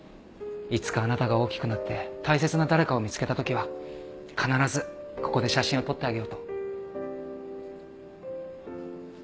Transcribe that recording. いつかあなたが大きくなって大切な誰かを見つけたときは必ずここで写真を撮ってあげようと。